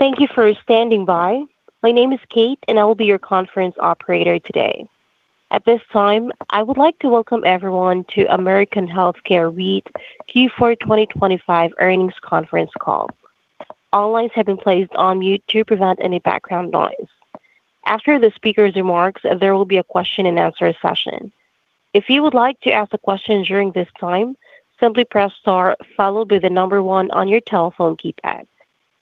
Thank you for standing by. My name is Kate, and I will be your conference operator today. At this time, I would like to welcome everyone to American Healthcare REIT Q4 2025 Earnings Conference Call. All lines have been placed on mute to prevent any background noise. After the speaker's remarks, there will be a question-and-answer session. If you would like to ask a question during this time, simply press star followed by one on your telephone keypad.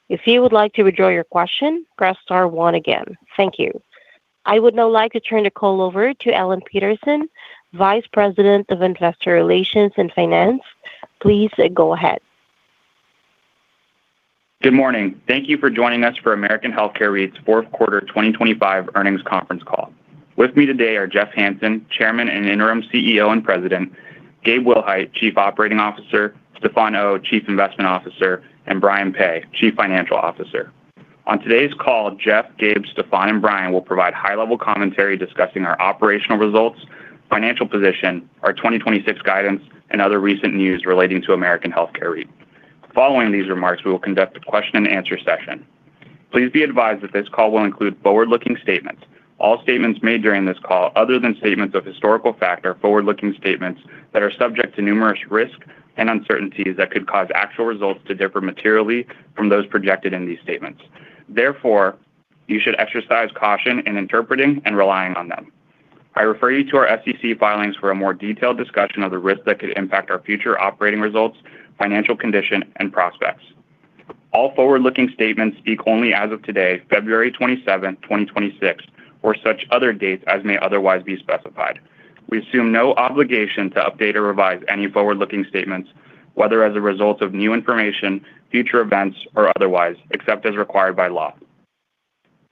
If you would like to withdraw your question, press star one again. Thank you. I would now like to turn the call over to Alan Peterson, Vice President of Investor Relations and Finance. Please go ahead. Good morning. Thank you for joining us for American Healthcare REIT's fourth quarter 2025 earnings conference call. With me today are Jeff Hanson, Chairman and Interim CEO and President, Gabe Willhite, Chief Operating Officer, Stefan Oh, Chief Investment Officer, and Brian Peay, Chief Financial Officer. On today's call, Jeff, Gabe, Stefan, and Brian will provide high-level commentary discussing our operational results, financial position, our 2026 guidance, and other recent news relating to American Healthcare REIT. Following these remarks, we will conduct a question-and-answer session. Please be advised that this call will include forward-looking statements. All statements made during this call, other than statements of historical fact, are forward-looking statements that are subject to numerous risks and uncertainties that could cause actual results to differ materially from those projected in these statements. You should exercise caution in interpreting and relying on them. I refer you to our SEC filings for a more detailed discussion of the risks that could impact our future operating results, financial condition, and prospects. All forward-looking statements speak only as of today, February 27, 2026, or such other dates as may otherwise be specified. We assume no obligation to update or revise any forward-looking statements, whether as a result of new information, future events, or otherwise, except as required by law.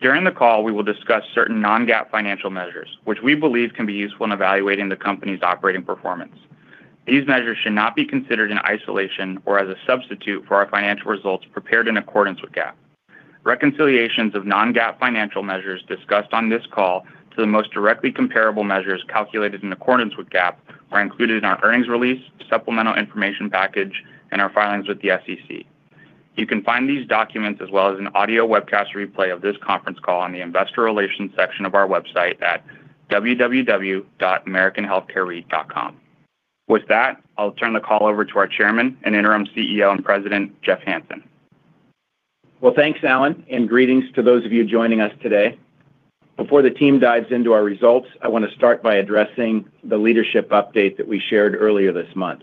During the call, we will discuss certain non-GAAP financial measures, which we believe can be useful in evaluating the company's operating performance. These measures should not be considered in isolation or as a substitute for our financial results prepared in accordance with GAAP. Reconciliations of non-GAAP financial measures discussed on this call to the most directly comparable measures calculated in accordance with GAAP are included in our earnings release, supplemental information package, and our filings with the SEC. You can find these documents as well as an audio webcast replay of this conference call on the Investor Relations section of our website at www.americanhealthcarereit.com. I'll turn the call over to our Chairman and Interim CEO and President, Jeff Hanson. Thanks, Alan, and greetings to those of you joining us today. Before the team dives into our results, I want to start by addressing the leadership update that we shared earlier this month.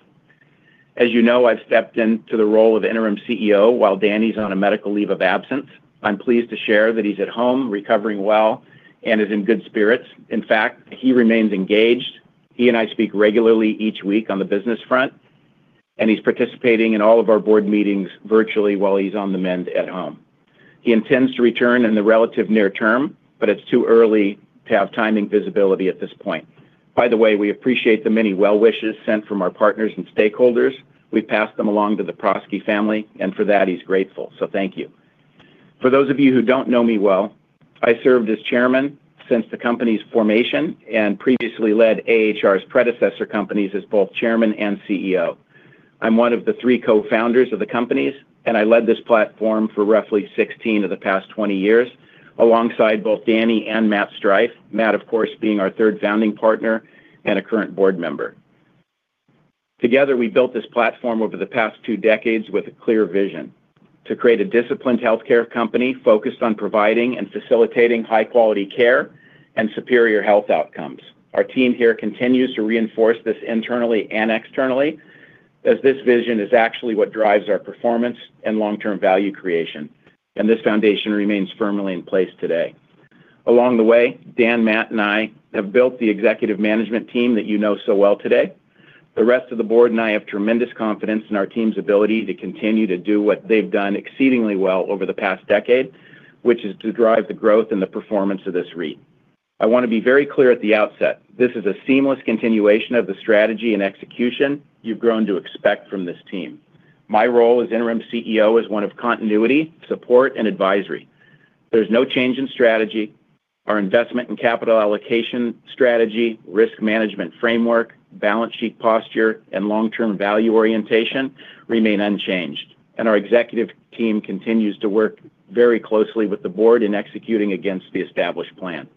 As you know, I've stepped into the role of Interim CEO while Danny's on a medical leave of absence. I'm pleased to share that he's at home recovering well and is in good spirits. In fact, he remains engaged. He and I speak regularly each week on the business front, and he's participating in all of our board meetings virtually while he's on the mend at home. He intends to return in the relative near term, but it's too early to have timing visibility at this point. By the way, we appreciate the many well wishes sent from our partners and stakeholders. We pass them along to the Prosky family, and for that, he's grateful. Thank you. For those of you who don't know me well, I served as chairman since the company's formation and previously led AHR's predecessor companies as both chairman and CEO. I'm one of the three co-founders of the companies, and I led this platform for roughly 16 of the past 20 years alongside both Danny and Matt Streiff. Matt, of course, being our third founding partner and a current board member. Together, we built this platform over the past two decades with a clear vision: to create a disciplined healthcare company focused on providing and facilitating high-quality care and superior health outcomes. Our team here continues to reinforce this internally and externally, as this vision is actually what drives our performance and long-term value creation, and this foundation remains firmly in place today. Along the way, Dan, Matt, and I have built the executive management team that you know so well today. The rest of the board and I have tremendous confidence in our team's ability to continue to do what they've done exceedingly well over the past decade, which is to drive the growth and the performance of this REIT. I want to be very clear at the outset, this is a seamless continuation of the strategy and execution you've grown to expect from this team. My role as interim CEO is one of continuity, support, and advisory. There's no change in strategy. Our investment and capital allocation strategy, risk management framework, balance sheet posture, and long-term value orientation remain unchanged, and our executive team continues to work very closely with the board in executing against the established plan.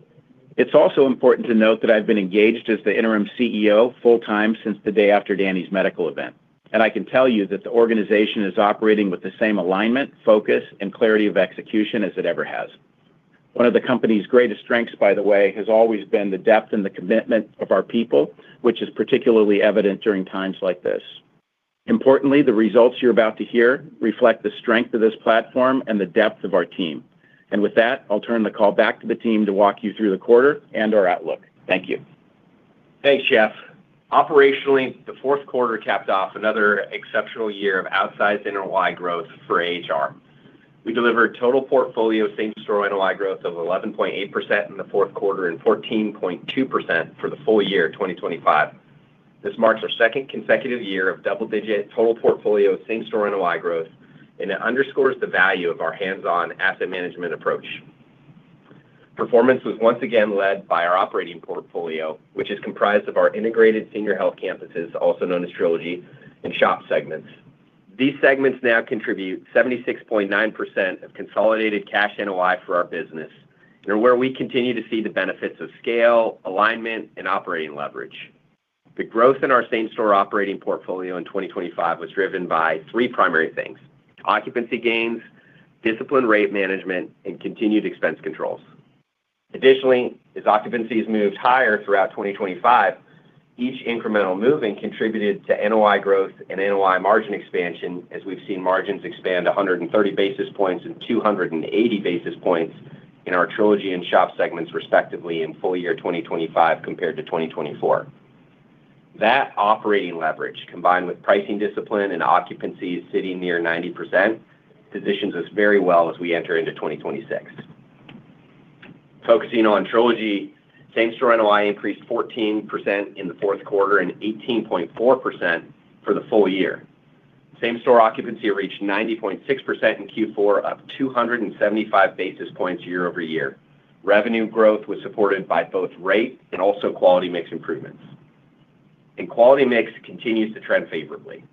It's also important to note that I've been engaged as the interim CEO full-time since the day after Danny's medical event, I can tell you that the organization is operating with the same alignment, focus, and clarity of execution as it ever has. One of the company's greatest strengths, by the way, has always been the depth and the commitment of our people, which is particularly evident during times like this. Importantly, the results you're about to hear reflect the strength of this platform and the depth of our team. With that, I'll turn the call back to the team to walk you through the quarter and our outlook. Thank you. Thanks, Jeff. Operationally, the fourth quarter capped off another exceptional year of outsized NOI growth for AHR. We delivered total portfolio same store NOI growth of 11.8% in the fourth quarter and 14.2% for the full year 2025. This marks our second consecutive year of double-digit total portfolio same store NOI growth, and it underscores the value of our hands-on asset management approach. Performance was once again led by our operating portfolio, which is comprised of our integrated senior health campuses, also known as Trilogy and SHOP segments. These segments now contribute 76.9% of consolidated cash NOI for our business, and where we continue to see the benefits of scale, alignment, and operating leverage. The growth in our same-store operating portfolio in 2025 was driven by three primary things: occupancy gains, disciplined rate management, and continued expense controls. As occupancy has moved higher throughout 2025, each incremental movement contributed to NOI growth and NOI margin expansion as we've seen margins expand 130 basis points and 280 basis points in our Trilogy and SHOP segments, respectively, in FY2025 compared to 2024. That operating leverage, combined with pricing discipline and occupancies sitting near 90%, positions us very well as we enter into 2026. Focusing on Trilogy, same-store NOI increased 14% in the fourth quarter and 18.4% for the full year. Same-store occupancy reached 90.6% in Q4 up 275 basis points year-over-year. Revenue growth was supported by both rate and also quality mix improvements. Quality mix continues to trend favorably.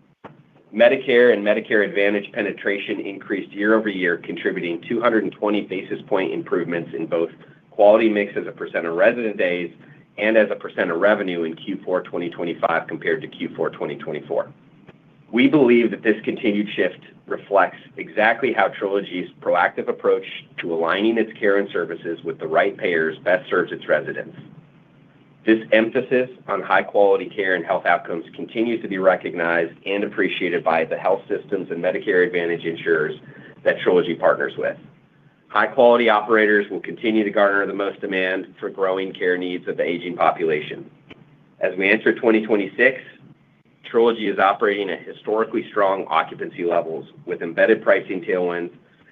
Medicare and Medicare Advantage penetration increased year-over-year, contributing 220 basis point improvements in both quality mix as a % of resident days and as a % of revenue in Q4 2025 compared to Q4 2024. We believe that this continued shift reflects exactly how Trilogy's proactive approach to aligning its care and services with the right payers best serves its residents. This emphasis on high-quality care and health outcomes continues to be recognized and appreciated by the health systems and Medicare Advantage insurers that Trilogy partners with. High-quality operators will continue to garner the most demand for growing care needs of the aging population. As we enter 2026, Trilogy is operating at historically strong occupancy levels with embedded pricing tailwinds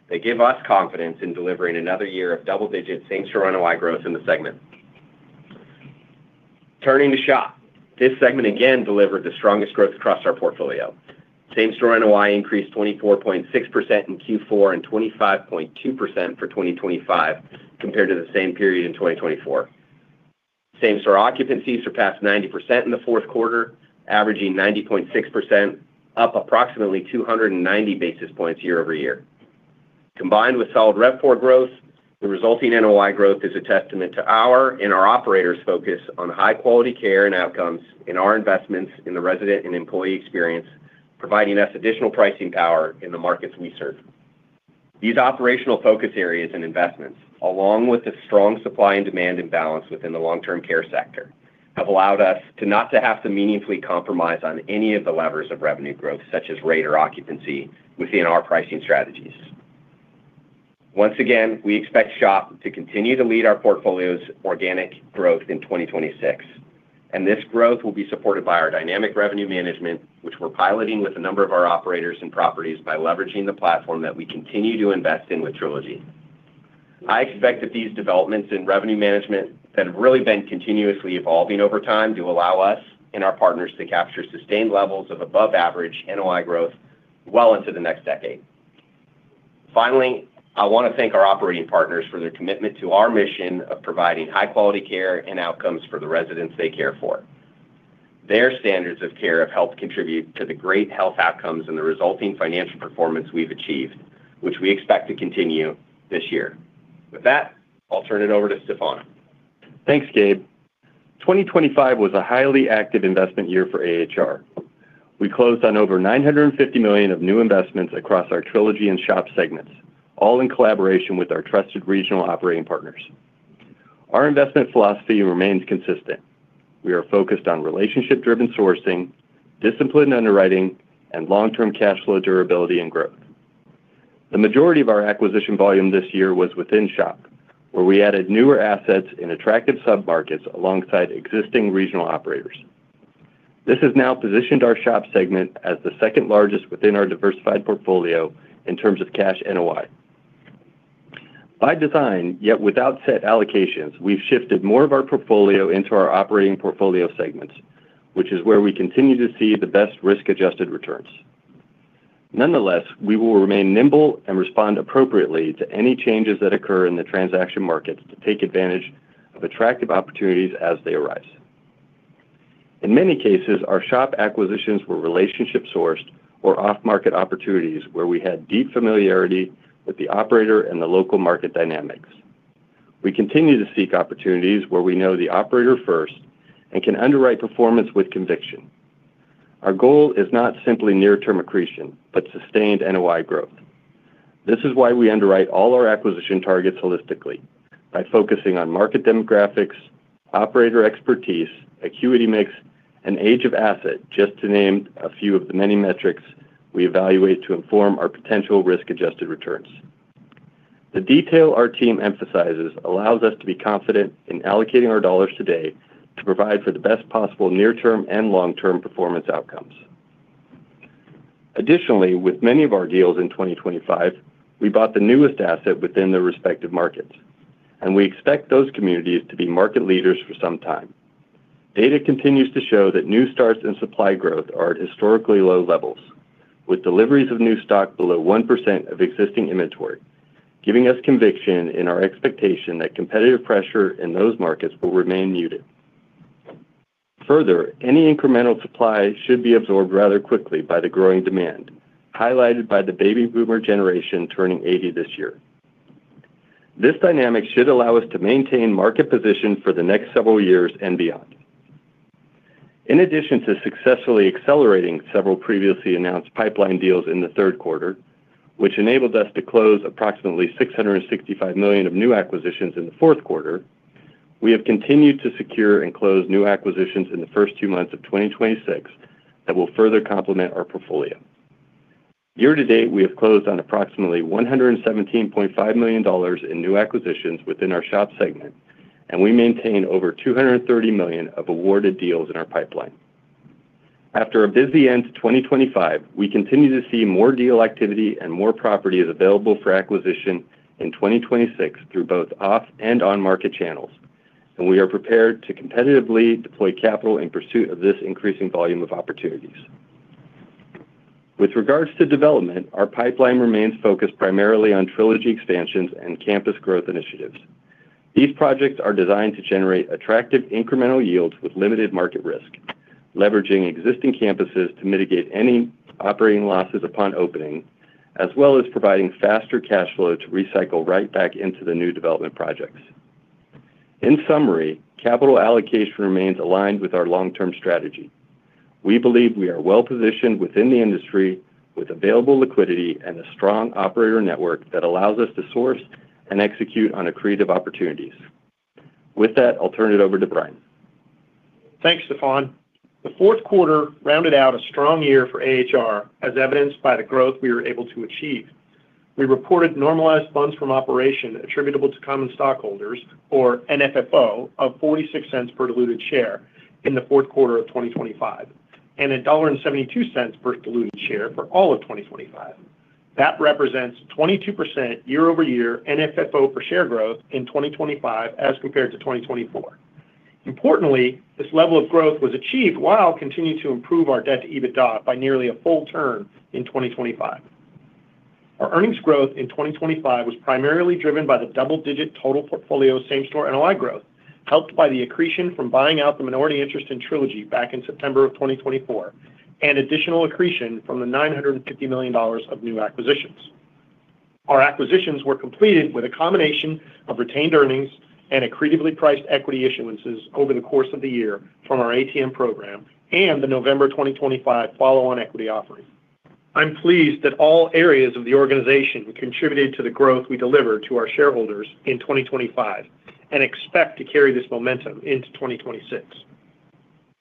that give us confidence in delivering another year of double-digit same-store NOI growth in the segment. Turning to SHOP, this segment again delivered the strongest growth across our portfolio. Same-store NOI increased 24.6% in Q4 and 25.2% for 2025 compared to the same period in 2024. Same-store occupancy surpassed 90% in the Q4, averaging 90.6%, up approximately 290 basis points year-over-year. Combined with solid RevPAR growth, the resulting NOI growth is a testament to our and our operators' focus on high-quality care and outcomes in our investments in the resident and employee experience, providing us additional pricing power in the markets we serve. These operational focus areas and investments, along with the strong supply and demand imbalance within the long-term care sector, have allowed us not to have to meaningfully compromise on any of the levers of revenue growth, such as rate or occupancy, within our pricing strategies. Once again, we expect SHOP to continue to lead our portfolio's organic growth in 2026, and this growth will be supported by our dynamic revenue management, which we're piloting with a number of our operators and properties by leveraging the platform that we continue to invest in with Trilogy. I expect that these developments in revenue management that have really been continuously evolving over time to allow us and our partners to capture sustained levels of above average NOI growth well into the next decade. Finally, I wanna thank our operating partners for their commitment to our mission of providing high-quality care and outcomes for the residents they care for. Their standards of care have helped contribute to the great health outcomes and the resulting financial performance we've achieved, which we expect to continue this year. With that, I'll turn it over to Stefan. Thanks, Gabe. 2025 was a highly active investment year for AHR. We closed on over $950 million of new investments across our Trilogy and SHOP segments, all in collaboration with our trusted regional operating partners. Our investment philosophy remains consistent. We are focused on relationship-driven sourcing, disciplined underwriting, and long-term cash flow durability and growth. The majority of our acquisition volume this year was within SHOP, where we added newer assets in attractive submarkets alongside existing regional operators. This has now positioned our SHOP segment as the second-largest within our diversified portfolio in terms of cash NOI. By design, yet without set allocations, we've shifted more of our portfolio into our operating portfolio segments, which is where we continue to see the best risk-adjusted returns. Nonetheless, we will remain nimble and respond appropriately to any changes that occur in the transaction markets to take advantage of attractive opportunities as they arise. In many cases, our SHOP acquisitions were relationship-sourced or off-market opportunities where we had deep familiarity with the operator and the local market dynamics. We continue to seek opportunities where we know the operator first and can underwrite performance with conviction. Our goal is not simply near-term accretion, but sustained NOI growth. This is why we underwrite all our acquisition targets holistically by focusing on market demographics, operator expertise, acuity mix, and age of asset, just to name a few of the many metrics we evaluate to inform our potential risk-adjusted returns. The detail our team emphasizes allows us to be confident in allocating our dollars today to provide for the best possible near-term and long-term performance outcomes. Additionally, with many of our deals in 2025, we bought the newest asset within their respective markets, and we expect those communities to be market leaders for some time. Data continues to show that new starts and supply growth are at historically low levels, with deliveries of new stock below 1% of existing inventory, giving us conviction in our expectation that competitive pressure in those markets will remain muted. Further, any incremental supply should be absorbed rather quickly by the growing demand, highlighted by the baby boomer generation turning 80 this year. This dynamic should allow us to maintain market position for the next several years and beyond. In addition to successfully accelerating several previously announced pipeline deals in the third quarter, which enabled us to close approximately $665 million of new acquisitions in the fourth quarter, we have continued to secure and close new acquisitions in the first two months of 2026 that will further complement our portfolio. Year to date, we have closed on approximately $117.5 million in new acquisitions within our SHOP segment. We maintain over $230 million of awarded deals in our pipeline. After a busy end to 2025, we continue to see more deal activity and more properties available for acquisition in 2026 through both off and on market channels. We are prepared to competitively deploy capital in pursuit of this increasing volume of opportunities. With regards to development, our pipeline remains focused primarily on Trilogy expansions and campus growth initiatives. These projects are designed to generate attractive incremental yields with limited market risk, leveraging existing campuses to mitigate any operating losses upon opening, as well as providing faster cash flow to recycle right back into the new development projects. In summary, capital allocation remains aligned with our long-term strategy. We believe we are well positioned within the industry with available liquidity and a strong operator network that allows us to source and execute on accretive opportunities. With that, I'll turn it over to Brian. Thanks, Stefan. The fourth quarter rounded out a strong year for AHR, as evidenced by the growth we were able to achieve. We reported normalized funds from operation attributable to common stockholders, or NFFO, of $0.46 per diluted share in the Q4 of 2025, and $1.72 per diluted share for all of 2025. That represents 22% year-over-year NFFO per share growth in 2025 as compared to 2024. Importantly, this level of growth was achieved while continuing to improve our debt to EBITDA by nearly a full turn in 2025. Our earnings growth in 2025 was primarily driven by the double-digit total portfolio same-store NOI growth, helped by the accretion from buying out the minority interest in Trilogy back in September of 2024, and additional accretion from the $950 million of new acquisitions. Our acquisitions were completed with a combination of retained earnings and accretively priced equity issuances over the course of the year from our ATM program and the November 2025 follow-on equity offering. I'm pleased that all areas of the organization contributed to the growth we delivered to our shareholders in 2025 and expect to carry this momentum into 2026.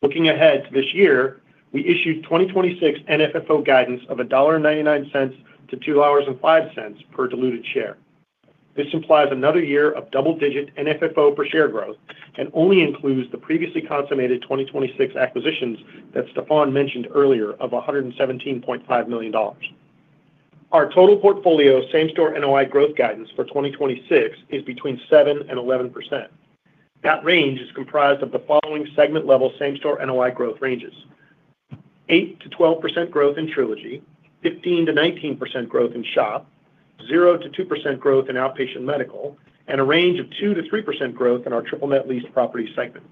Looking ahead to this year, we issued 2026 NFFO guidance of $1.99 to $2.05 per diluted share. This implies another year of double-digit NFFO per share growth and only includes the previously consummated 2026 acquisitions that Stefan mentioned earlier of $117.5 million. Our total portfolio same-store NOI growth guidance for 2026 is between 7% and 11%. That range is comprised of the following segment level same-store NOI growth ranges: 8%-12% growth in Trilogy, 15%-19% growth in SHOP, 0%-2% growth in outpatient medical, and a range of 2%-3% growth in our triple net lease property segment.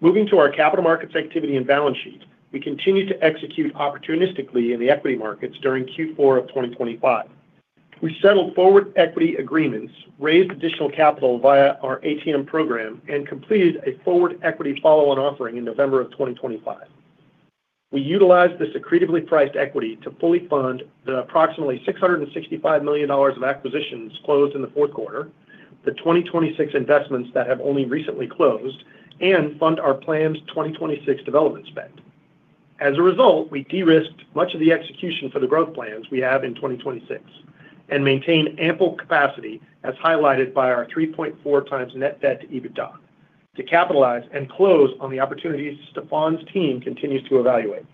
Moving to our capital markets activity and balance sheet. We continued to execute opportunistically in the equity markets during Q4 of 2025. We settled forward equity agreements, raised additional capital via our ATM program, and completed a forward equity follow-on offering in November of 2025. We utilized this accretively priced equity to fully fund the approximately $665 million of acquisitions closed in the Q4, the 2026 investments that have only recently closed, and fund our planned 2026 development spend. As a result, we de-risked much of the execution for the growth plans we have in 2026 and maintain ample capacity, as highlighted by our 3.4x net debt to EBITDA, to capitalize and close on the opportunities Stefan's team continues to evaluate.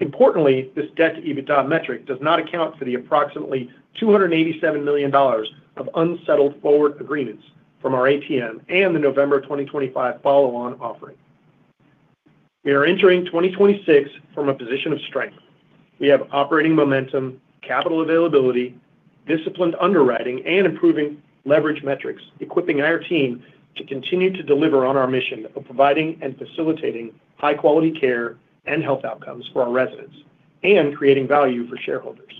Importantly, this debt-to-EBITDA metric does not account for the approximately $287 million of unsettled forward agreements from our ATM and the November 2025 follow-on offering. We are entering 2026 from a position of strength. We have operating momentum, capital availability, disciplined underwriting, and improving leverage metrics, equipping our team to continue to deliver on our mission of providing and facilitating high-quality care and health outcomes for our residents and creating value for shareholders.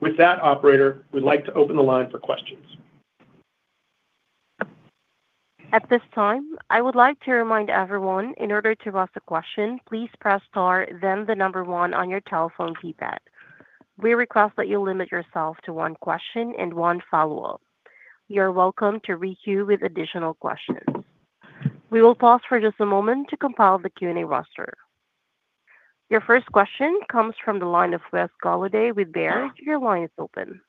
With that, operator, we'd like to open the line for questions. At this time, I would like to remind everyone in order to ask a question, please press star, then one on your telephone keypad. We request that you limit yourself to one question and one follow-up. You're welcome to re-queue with additional questions. We will pause for just a moment to compile the Q&A roster. Your first question comes from the line of Wes Golladay with Baird. Your line is open.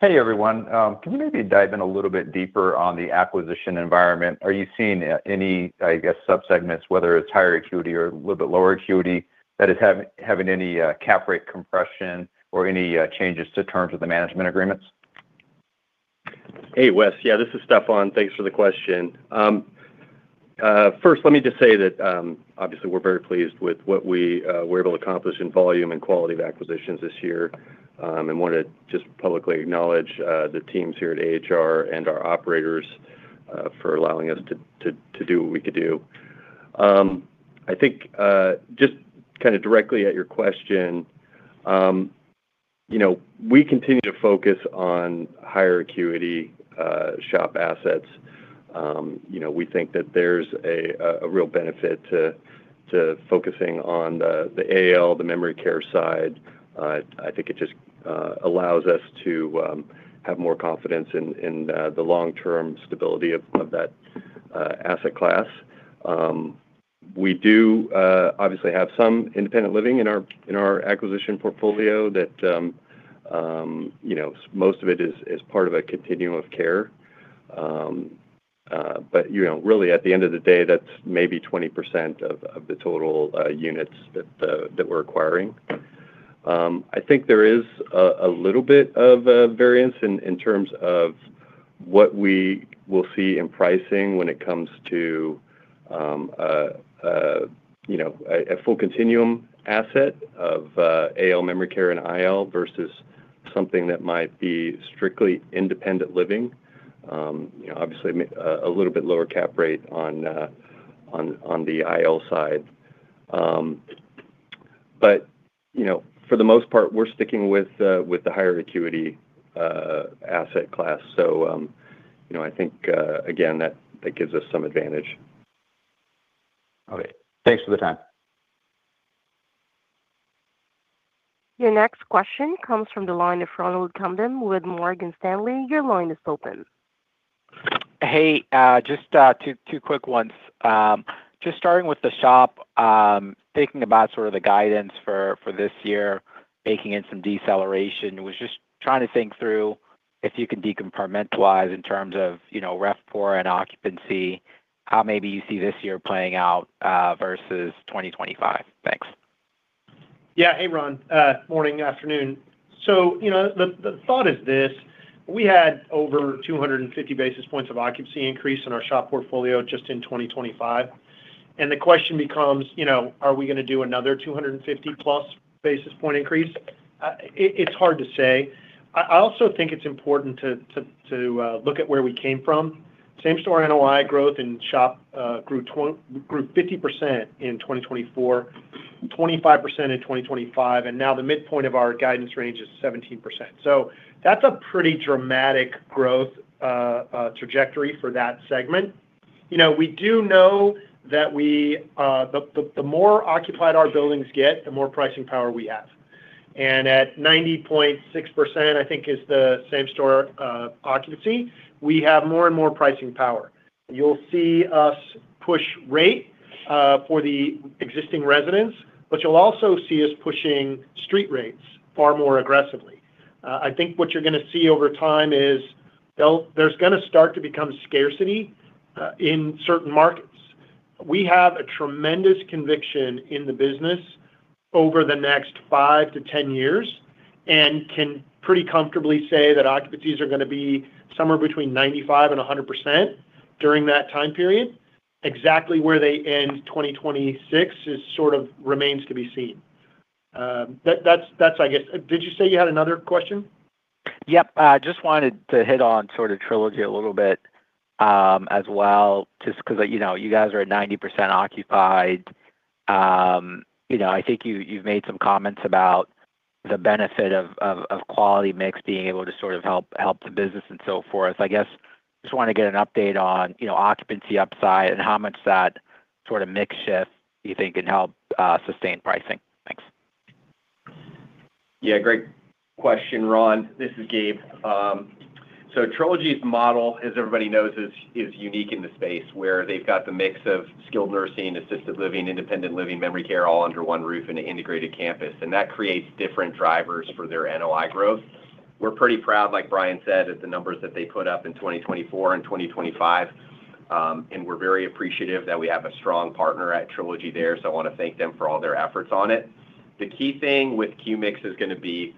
Hey, everyone. Can you maybe dive in a little bit deeper on the acquisition environment? Are you seeing any, I guess, subsegments, whether it's higher acuity or a little bit lower acuity, that is having any cap rate compression or any changes to terms of the management agreements? Hey, Wes. This is Stefan. Thanks for the question. First let me just say that obviously we're very pleased with what we we're able to accomplish in volume and quality of acquisitions this year, and want to just publicly acknowledge the teams here at AHR and our operators for allowing us to do what we could do. I think just kind of directly at your question, you know, we continue to focus on higher acuity SHOP assets. You know, we think that there's a real benefit to focusing on the AL, the memory care side. I think it just allows us to have more confidence in the long-term stability of that asset class. We do obviously have some independent living in our acquisition portfolio that, you know, most of it is part of a continuum of care. You know, really at the end of the day, that's maybe 20% of the total units that we're acquiring. I think there is a little bit of a variance in terms of what we will see in pricing when it comes to, you know, a full continuum asset of AL memory care and IL versus something that might be strictly independent living. You know, obviously a little bit lower cap rate on the IL side. You know, for the most part, we're sticking with the higher acuity asset class. You know, I think, again, that gives us some advantage. Okay. Thanks for the time. Your next question comes from the line of Ronald Kamdem with Morgan Stanley. Your line is open. Hey, just two quick ones. Just starting with the SHOP, thinking about sort of the guidance for this year, baking in some deceleration. Was just trying to think through if you can decompartmentalize in terms of, you know, RevPOR and occupancy, how maybe you see this year playing out, versus 2025? Thanks. Yeah. Hey, Ron. morning, afternoon. You know, the thought is this: We had over 250 basis points of occupancy increase in our SHOP portfolio just in 2025. The question becomes, you know, are we gonna do another 250+ basis point increase? It's hard to say. I also think it's important to look at where we came from. Same-store NOI growth in SHOP grew 50% in 2024, 25% in 2025, and now the midpoint of our guidance range is 17%. That's a pretty dramatic growth trajectory for that segment. You know, we do know that we, the more occupied our buildings get, the more pricing power we have. At 90.6%, I think, is the same store occupancy, we have more and more pricing power. You'll see us push rate for the existing residents, but you'll also see us pushing street rates far more aggressively. I think what you're gonna see over time is there's gonna start to become scarcity in certain markets. We have a tremendous conviction in the business over the next five to 10 years and can pretty comfortably say that occupancies are gonna be somewhere between 95%-100% during that time period. Exactly where they end 2026 is sort of remains to be seen. That, that's I guess. Did you say you had another question? Yep. Just wanted to hit on sort of Trilogy a little bit, as well, just 'cause, you know, you guys are at 90% occupied. You know, I think you've made some comments about the benefit of quality mix being able to sort of help the business and so forth. I guess just wanna get an update on, you know, occupancy upside and how much that sort of mix shift you think can help sustain pricing. Thanks. Great question, Ron. This is Gabe. Trilogy's model, as everybody knows, is unique in the space where they've got the mix of skilled nursing, assisted living, independent living, memory care, all under one roof in an integrated campus, and that creates different drivers for their NOI growth. We're pretty proud, like Brian said, at the numbers that they put up in 2024 and 2025, We're very appreciative that we have a strong partner at Trilogy there, I wanna thank them for all their efforts on it. The key thing with Qmix is gonna be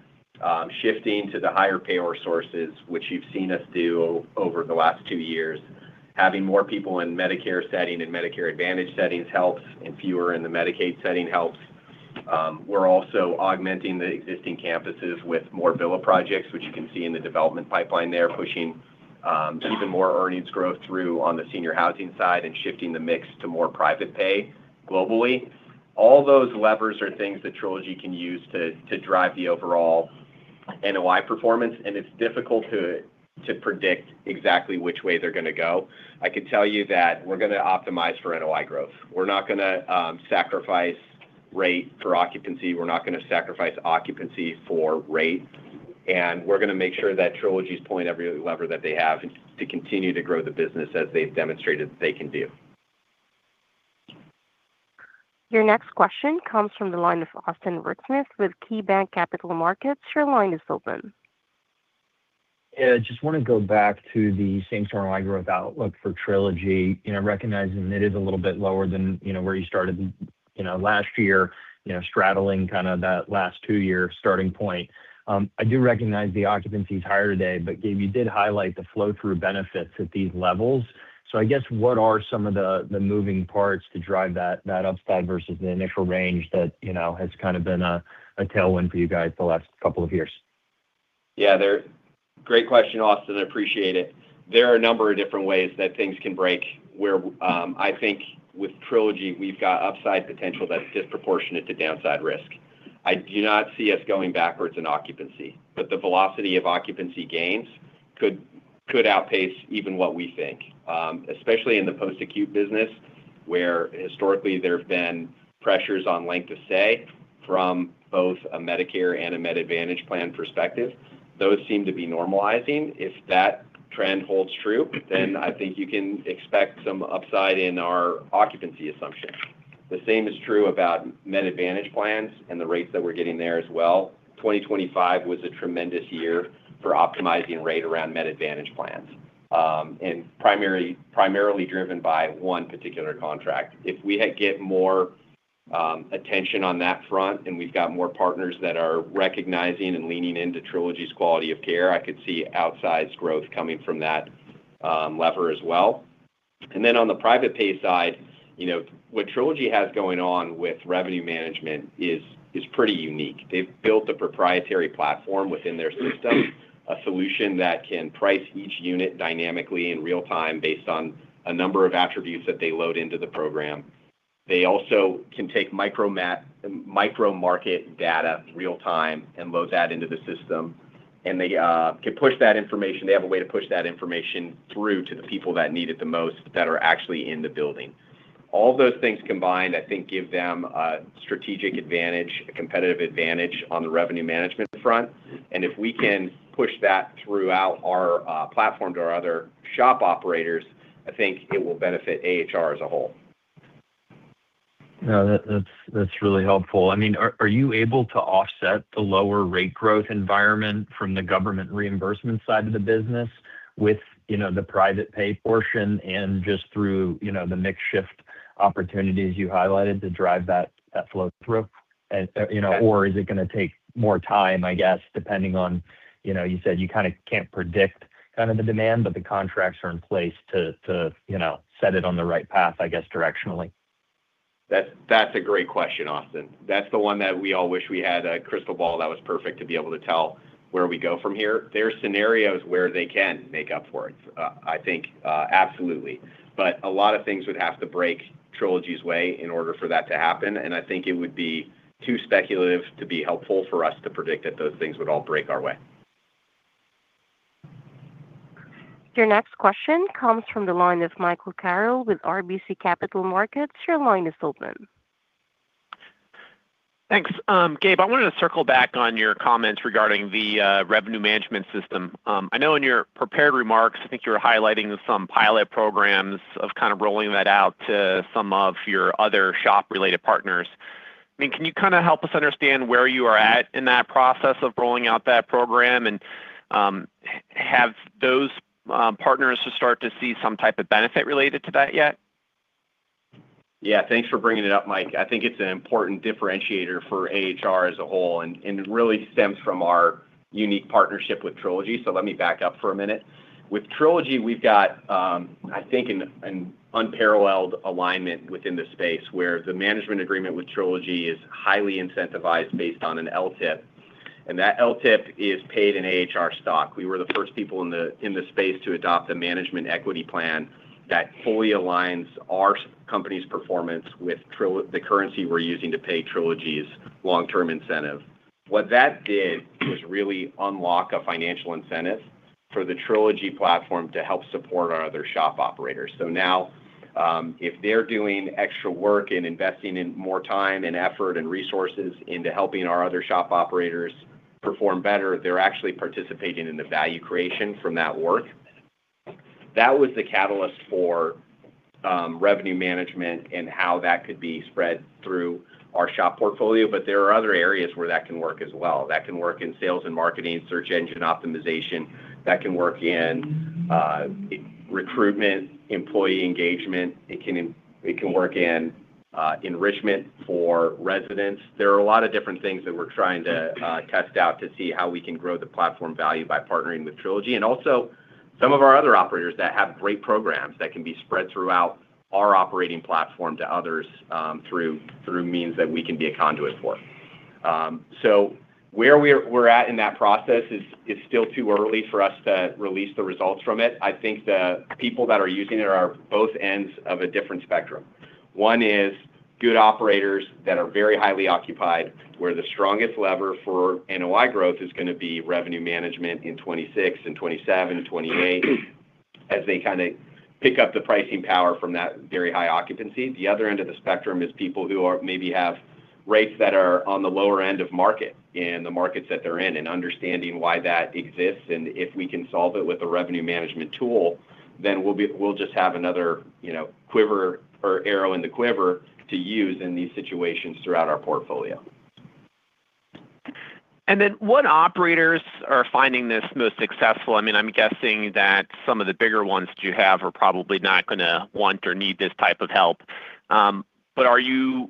shifting to the higher payor sources, which you've seen us do over the last two years. Having more people in Medicare setting and Medicare Advantage settings helps, and fewer in the Medicaid setting helps. We're also augmenting the existing campuses with more villa projects, which you can see in the development pipeline there, pushing even more earnings growth through on the senior housing side and shifting the mix to more private pay globally. All those levers are things that Trilogy can use to drive the overall NOI performance. It's difficult to predict exactly which way they're gonna go. I can tell you that we're gonna optimize for NOI growth. We're not gonna sacrifice rate for occupancy. We're not gonna sacrifice occupancy for rate. We're gonna make sure that Trilogy's pulling every lever that they have to continue to grow the business as they've demonstrated that they can do. Your next question comes from the line of Austin Wurschmidt with KeyBanc Capital Markets. Your line is open. I just want to go back to the same store NOI growth outlook for Trilogy, you know, recognizing it is a little bit lower than, you know, where you started, you know, last year, you know, straddling kind of that last two-year starting point. I do recognize the occupancy is higher today, but Gabe, you did highlight the flow-through benefits at these levels. I guess what are some of the moving parts to drive that upside versus the initial range that, you know, has kind of been a tailwind for you guys the last couple of years? Yeah. Great question, Austin. I appreciate it. There are a number of different ways that things can break where I think with Trilogy, we've got upside potential that's disproportionate to downside risk. I do not see us going backwards in occupancy, but the velocity of occupancy gains could outpace even what we think. Especially in the post-acute business, where historically there have been pressures on length of stay from both a Medicare and a Med Advantage plan perspective. Those seem to be normalizing. If that trend holds true, I think you can expect some upside in our occupancy assumption. The same is true about Med Advantage plans and the rates that we're getting there as well. 2025 was a tremendous year for optimizing rate around Med Advantage plans, and primarily driven by one particular contract. If we get more attention on that front and we've got more partners that are recognizing and leaning into Trilogy's quality of care, I could see outsized growth coming from that lever as well. Then on the private pay side, you know, what Trilogy has going on with revenue management is pretty unique. They've built a proprietary platform within their system, a solution that can price each unit dynamically in real time based on a number of attributes that they load into the program. They also can take micro-market data real time and load that into the system. They can push that information. They have a way to push that information through to the people that need it the most that are actually in the building. All those things combined, I think, give them a strategic advantage, a competitive advantage on the revenue management front. If we can push that throughout our platform to our other SHOP operators, I think it will benefit AHR as a whole. No, that's really helpful. I mean, are you able to offset the lower rate growth environment from the government reimbursement side of the business with, you know, the private pay portion and just through, you know, the mix shift opportunities you highlighted to drive that flow through? You know, or is it going to take more time, I guess, depending on, you know, you said you kind of can't predict kind of the demand, but the contracts are in place to, you know, set it on the right path, I guess, directionally. That's a great question, Austin. That's the one that we all wish we had a crystal ball that was perfect to be able to tell where we go from here. There are scenarios where they can make up for it, I think, absolutely. A lot of things would have to break Trilogy's way in order for that to happen, and I think it would be too speculative to be helpful for us to predict that those things would all break our way. Your next question comes from the line of Michael Carroll with RBC Capital Markets. Your line is open. Thanks. Gabe, I wanted to circle back on your comments regarding the revenue management system. I know in your prepared remarks, I think you were highlighting some pilot programs of kind of rolling that out to some of your other SHOP-related partners. I mean, can you kind of help us understand where you are at in that process of rolling out that program and, have those, partners to start to see some type of benefit related to that yet? Yeah. Thanks for bringing it up, Mike. I think it's an important differentiator for AHR as a whole and it really stems from our unique partnership with Trilogy. Let me back up for a minute. With Trilogy, we've got, I think an unparalleled alignment within the space where the management agreement with Trilogy is highly incentivized based on an LTIP, and that LTIP is paid in AHR stock. We were the first people in the space to adopt a management equity plan that fully aligns our company's performance with the currency we're using to pay Trilogy's long-term incentive. What that did was really unlock a financial incentive for the Trilogy platform to help support our other shop operators. If they're doing extra work and investing in more time and effort and resources into helping our other SHOP operators perform better, they're actually participating in the value creation from that work. That was the catalyst for revenue management and how that could be spread through our SHOP portfolio, there are other areas where that can work as well. That can work in sales and marketing, search engine optimization. That can work in recruitment, employee engagement. It can work in enrichment for residents. There are a lot of different things that we're trying to test out to see how we can grow the platform value by partnering with Trilogy. Also some of our other operators that have great programs that can be spread throughout our operating platform to others, through means that we can be a conduit for. Where we're at in that process is still too early for us to release the results from it. I think the people that are using it are both ends of a different spectrum. One is good operators that are very highly occupied, where the strongest lever for NOI growth is gonna be revenue management in 2026 and 2027, 2028 as they kind of pick up the pricing power from that very high occupancy. The other end of the spectrum is people who maybe have rates that are on the lower end of market in the markets that they're in and understanding why that exists and if we can solve it with a revenue management tool, then we'll just have another, you know, quiver or arrow in the quiver to use in these situations throughout our portfolio. What operators are finding this most successful? I mean, I'm guessing that some of the bigger ones that you have are probably not gonna want or need this type of help. Are you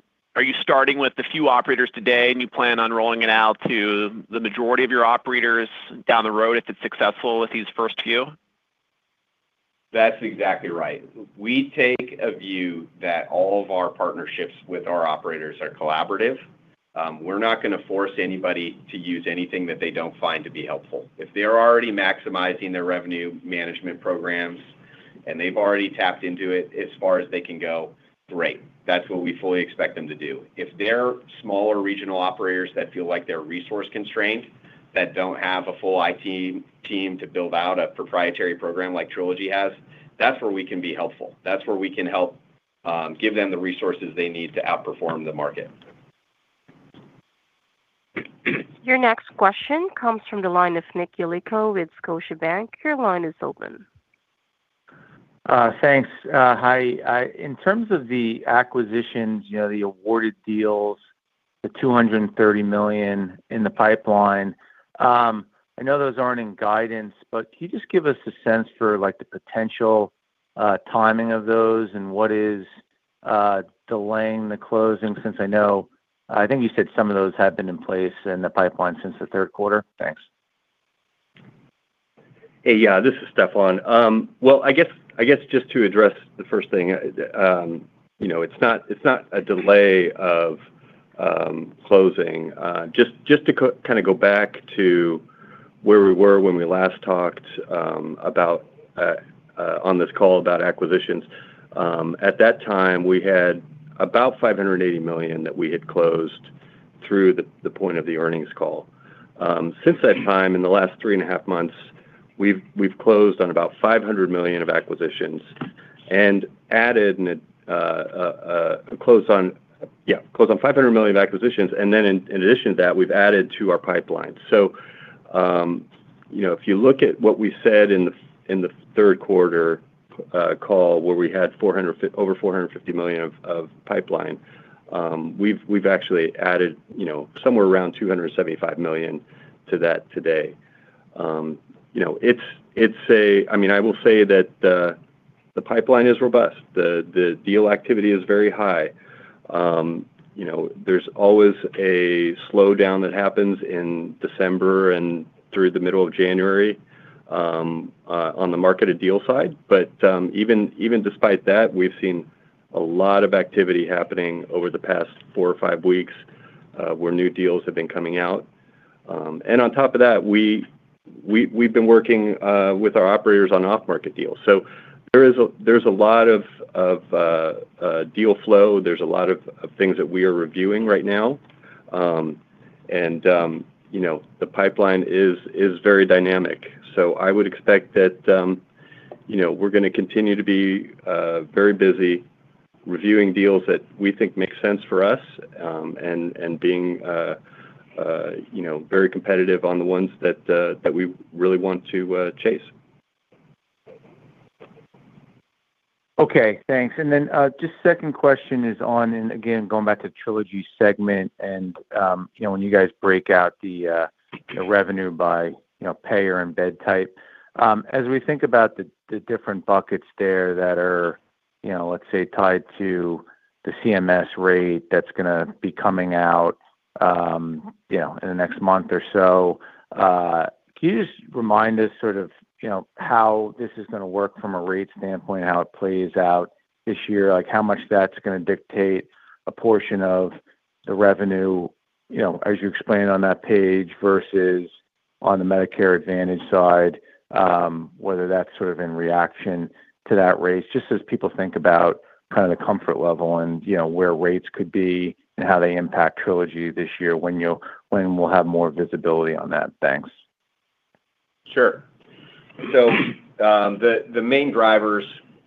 starting with a few operators today, and you plan on rolling it out to the majority of your operators down the road if it's successful with these first few? That's exactly right. We take a view that all of our partnerships with our operators are collaborative. We're not gonna force anybody to use anything that they don't find to be helpful. If they're already maximizing their revenue management programs, and they've already tapped into it as far as they can go, great. That's what we fully expect them to do. If they're smaller regional operators that feel like they're resource-constrained, that don't have a full IT team to build out a proprietary program like Trilogy has, that's where we can be helpful. That's where we can help give them the resources they need to outperform the market. Your next question comes from the line of Nick Yulico with Scotiabank. Your line is open. Thanks. Hi. In terms of the acquisitions, you know, the awarded deals, the $230 million in the pipeline, I know those aren't in guidance, but can you just give us a sense for, like, the potential timing of those and what is delaying the closing, since I know, I think you said some of those have been in place in the pipeline since the 3rd quarter? Thanks. Hey, yeah, this is Stefan. Well, I guess just to address the first thing, you know, it's not, it's not a delay of closing. Just to kind of go back to where we were when we last talked about on this call about acquisitions, at that time, we had about $580 million that we had closed through the point of the earnings call. Since that time, in the last three and a half months, we've closed on about $500 million of acquisitions and close on, yeah, $500 million of acquisitions, and then in addition to that, we've added to our pipeline. You know, if you look at what we said in the third quarter call, where we had over $450 million of pipeline, we've actually added, you know, somewhere around $275 million to that today. You know, I mean, I will say that the pipeline is robust. The deal activity is very high. You know, there's always a slowdown that happens in December and through the middle of January on the marketed deal side. Even despite that, we've seen a lot of activity happening over the past four or five weeks where new deals have been coming out. On top of that, we've been working with our operators on off-market deals. There's a lot of deal flow. There's a lot of things that we are reviewing right now. You know, the pipeline is very dynamic. I would expect that, you know, we're gonna continue to be very busy reviewing deals that we think make sense for us, and being, you know, very competitive on the ones that we really want to chase. Okay, thanks. Just second question is on, and again, going back to Trilogy segment, you know, when you guys break out the revenue by, you know, payer and bed type. As we think about the different buckets there that are, you know, let's say tied to the CMS rate that's gonna be coming out, you know, in the next month or so, can you just remind us sort of, you know, how this is gonna work from a rate standpoint, how it plays out this year? Like, how much that's gonna dictate a portion of the revenue, you know, as you explained on that page versus on the Medicare Advantage side, whether that's sort of in reaction to that rate, just as people think about kind of the comfort level and, you know, where rates could be and how they impact Trilogy this year, when we'll have more visibility on that. Thanks. Sure. The main drivers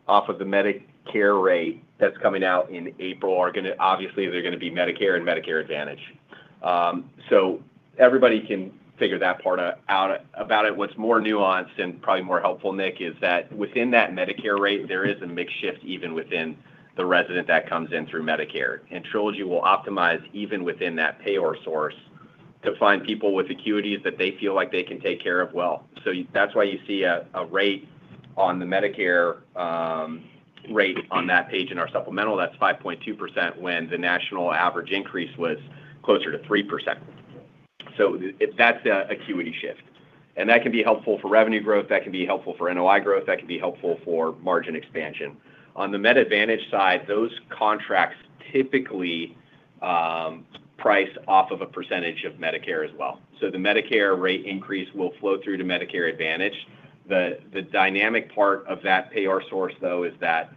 off of the Medicare rate that's coming out in April are obviously, they're gonna be Medicare and Medicare Advantage. Everybody can figure that part out, about it. What's more nuanced and probably more helpful, Nick, is that within that Medicare rate, there is a mix shift even within the resident that comes in through Medicare. Trilogy will optimize even within that payor source to find people with acuities that they feel like they can take care of well. That's why you see a rate on the Medicare rate on that page in our supplemental. That's 5.2% when the national average increase was closer to 3%. That's a acuity shift, and that can be helpful for revenue growth. That can be helpful for NOI growth. That can be helpful for margin expansion. On the Med Advantage side, those contracts typically price off of a percentage of Medicare as well. The Medicare rate increase will flow through to Medicare Advantage. The dynamic part of that payor source, though, is that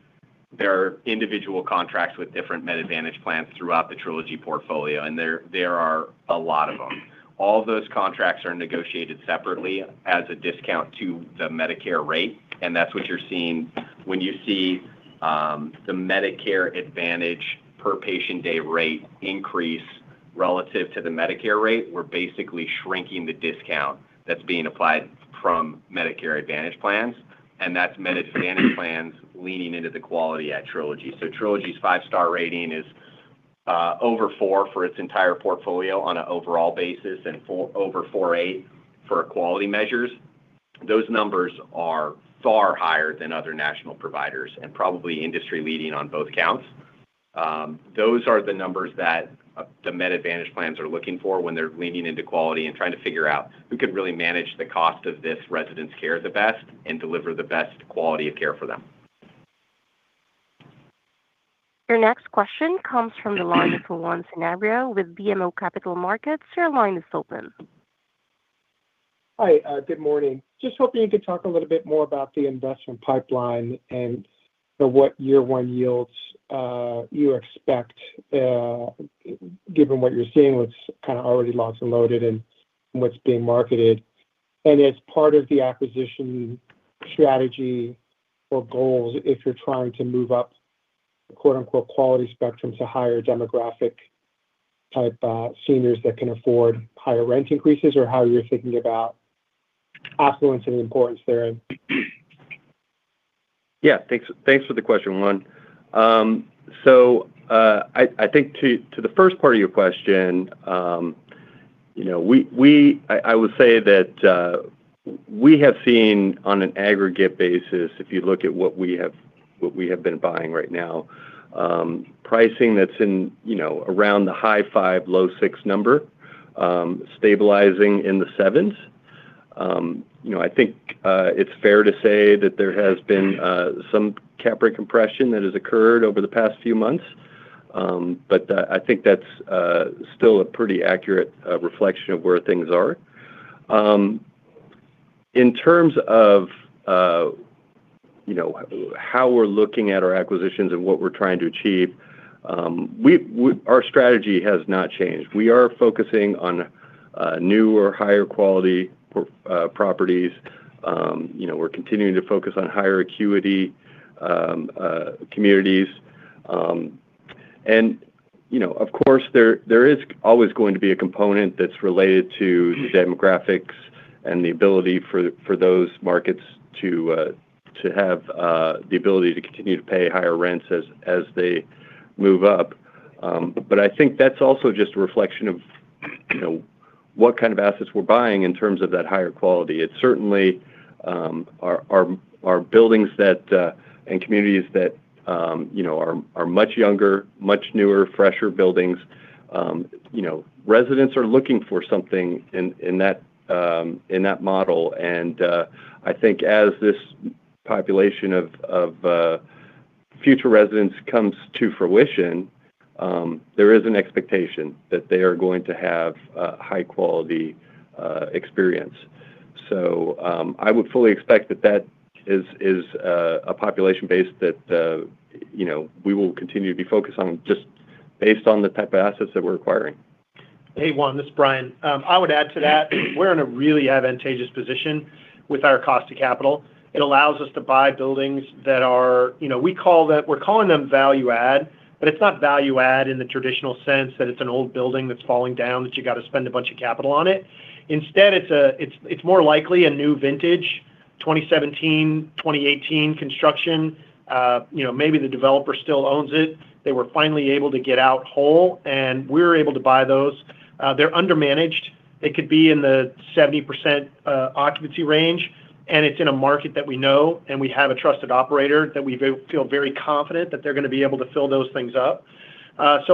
there are individual contracts with different Med Advantage plans throughout the Trilogy portfolio, and there are a lot of them. All of those contracts are negotiated separately as a discount to the Medicare rate, and that's what you're seeing when you see the Medicare Advantage per patient day rate increase relative to the Medicare rate. We're basically shrinking the discount that's being applied from Medicare Advantage plans. That's Medicare Advantage plans leaning into the quality at Trilogy. Trilogy's five-star rating is over four for its entire portfolio on an overall basis and over 4.8 for quality measures. Those numbers are far higher than other national providers and probably industry leading on both counts. Those are the numbers that the Med Advantage plans are looking for when they're leaning into quality and trying to figure out who could really manage the cost of this resident's care the best and deliver the best quality of care for them. Your next question comes from the line of Juan Sanabria with BMO Capital Markets. Your line is open. Hi. Good morning. Just hoping you could talk a little bit more about the investment pipeline and the what year one yields you expect given what you're seeing, what's kinda already locked and loaded and what's being marketed? As part of the acquisition strategy or goals, if you're trying to move up quote, unquote, "quality spectrum" to higher demographic type seniors that can afford higher rent increases, or how you're thinking about opulence and importance there? Yeah. Thanks for the question, Juan. I think to the first part of your question, you know, I would say that we have seen on an aggregate basis, if you look at what we have, what we have been buying right now, pricing that's in, you know, around the high 5%, low 6% number, stabilizing in the 7s. You know, I think it's fair to say that there has been some cap rate compression that has occurred over the past few months. I think that's still a pretty accurate reflection of where things are. In terms of, you know, how we're looking at our acquisitions and what we're trying to achieve, we our strategy has not changed. We are focusing on new or higher quality properties. You know, we're continuing to focus on higher acuity communities. You know, of course, there is always going to be a component that's related to the demographics and the ability for those markets to have the ability to continue to pay higher rents as they move up. I think that's also just a reflection of, you know, what kind of assets we're buying in terms of that higher quality. It's certainly our buildings that and communities that, you know, are much younger, much newer, fresher buildings. You know, residents are looking for something in that in that model. I think as this population of future residents comes to fruition, there is an expectation that they are going to have a high quality experience. I would fully expect that that is a population base that, you know, we will continue to be focused on just based on the type of assets that we're acquiring. Hey, Juan, this is Brian. I would add to that we're in a really advantageous position with our cost to capital. It allows us to buy buildings that are, you know, we're calling them value add, but it's not value add in the traditional sense that it's an old building that's falling down, that you got to spend a bunch of capital on it. It's more likely a new vintage, 2017, 2018 construction. You know, maybe the developer still owns it. They were finally able to get out whole. We're able to buy those. They're under-managed. It could be in the 70% occupancy range. It's in a market that we know. We have a trusted operator that we feel very confident that they're gonna be able to fill those things up.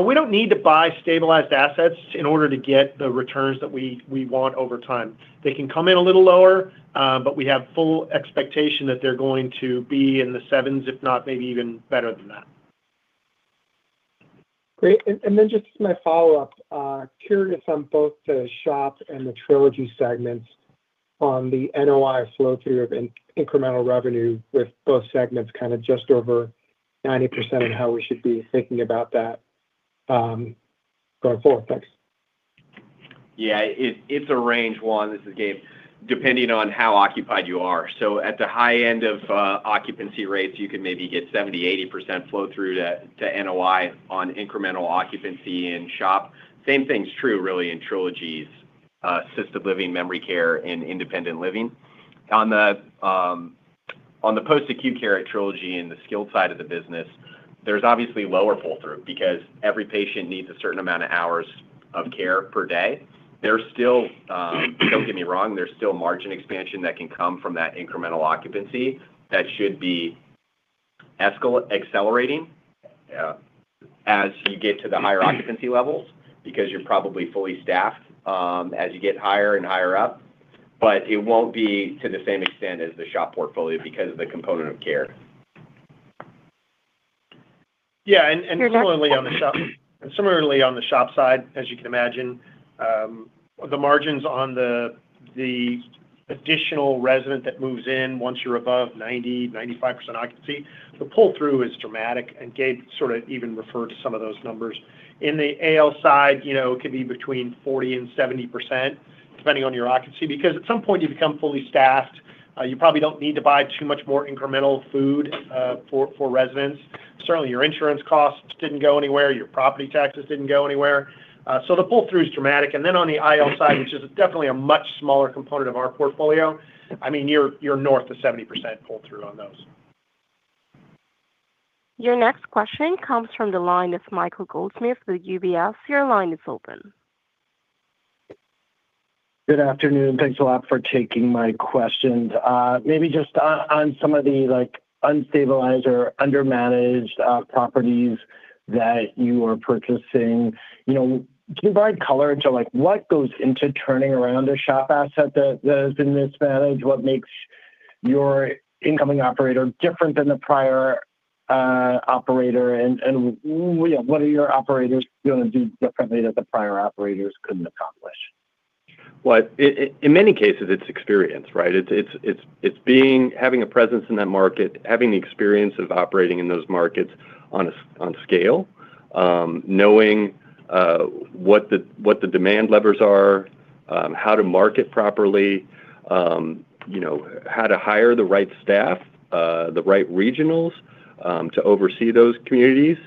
We don't need to buy stabilized assets in order to get the returns that we want over time. They can come in a little lower, but we have full expectation that they're going to be in the 7s, if not maybe even better than that. Great. Then just my follow-up. Curious on both the SHOP and the Trilogy segments on the NOI flow through of incremental revenue with both segments kind of just over 90% and how we should be thinking about that going forward. Thanks. Yeah. It's a range, Juan. This is Gabe. Depending on how occupied you are. At the high end of occupancy rates, you can maybe get 70%-80% flow through to NOI on incremental occupancy in SHOP. Same thing's true, really, in Trilogy's assisted living memory care and independent living. On the post-acute care at Trilogy and the skilled side of the business, there's obviously lower pull-through because every patient needs a certain amount of hours of care per day. There's still, don't get me wrong, there's still margin expansion that can come from that incremental occupancy that should be accelerating as you get to the higher occupancy levels because you're probably fully staffed as you get higher and higher up. It won't be to the same extent as the SHOP portfolio because of the component of care. Yeah. Similarly on the SHOP- Your next question. Similarly on the SHOP side, as you can imagine, the margins on the additional resident that moves in once you're above 90, 95% occupancy, the pull-through is dramatic. Gabe sort of even referred to some of those numbers. In the AL side, you know, it could be between 40% and 70%, depending on your occupancy. At some point you become fully staffed, you probably don't need to buy too much more incremental food for residents. Certainly, your insurance costs didn't go anywhere, your property taxes didn't go anywhere. The pull-through is dramatic. On the IL side, which is definitely a much smaller component of our portfolio, I mean, you're north of 70% pull-through on those. Your next question comes from the line of Michael Goldsmith with UBS. Your line is open. Good afternoon. Thanks a lot for taking my questions. maybe just on some of the, like, unstabilized or undermanaged properties that you are purchasing, you know, can you provide color into, like, what goes into turning around a SHOP asset that has been mismanaged? What makes your incoming operator different than the prior operator? What are your operators gonna do differently that the prior operators couldn't accomplish? In many cases, it's experience, right? It's having a presence in that market, having the experience of operating in those markets on scale, knowing what the demand levers are, how to market properly, you know, how to hire the right staff, the right regionals, to oversee those communities,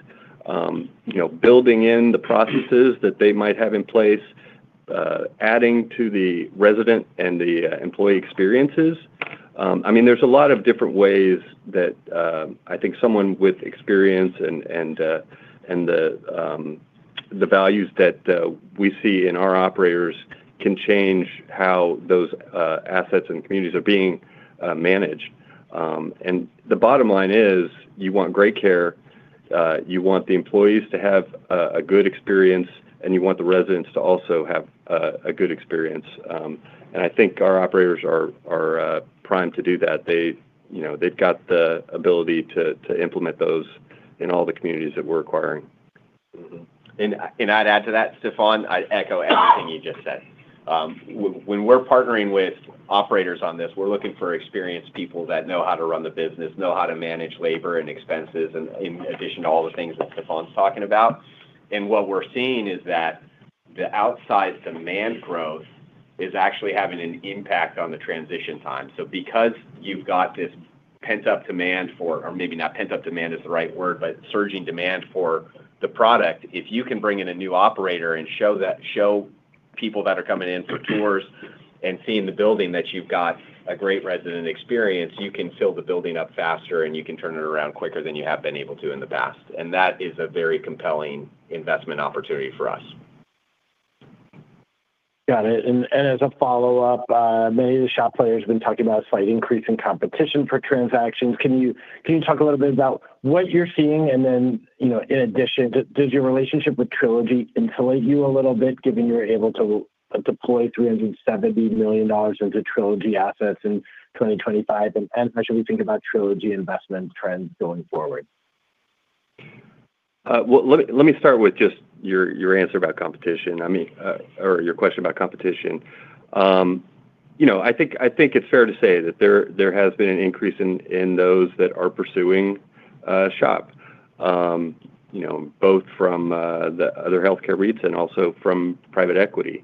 you know, building in the processes that they might have in place, adding to the resident and the employee experiences. I mean, there's a lot of different ways that I think someone with experience and the values that we see in our operators can change how those assets and communities are being managed. The bottom line is you want great care, you want the employees to have a good experience, and you want the residents to also have a good experience. I think our operators are primed to do that. They, you know, they've got the ability to implement those in all the communities that we're acquiring. I'd add to that, Stefan, I'd echo everything you just said. When we're partnering with operators on this, we're looking for experienced people that know how to run the business, know how to manage labor and expenses, and in addition to all the things that Stefan's talking about. What we're seeing is that the outsized demand growth is actually having an impact on the transition time. Because you've got this pent-up demand for, or maybe not pent-up demand is the right word, but surging demand for the product, if you can bring in a new operator and show people that are coming in for tours and seeing the building that you've got a great resident experience, you can fill the building up faster, and you can turn it around quicker than you have been able to in the past. That is a very compelling investment opportunity for us. Got it. As a follow-up, many of the SHOP players have been talking about a slight increase in competition for transactions. Can you talk a little bit about what you're seeing? Then, you know, in addition, does your relationship with Trilogy insulate you a little bit, given you're able to deploy $370 million into Trilogy assets in 2025? How should we think about Trilogy investment trends going forward? Well, let me, let me start with just your answer about competition. I mean, or your question about competition. You know, I think, I think it's fair to say that there has been an increase in those that are pursuing SHOP, you know, both from the other healthcare REITs and also from private equity.